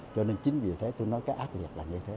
cho nên chính vì thế tôi nói cái ác liệt là như thế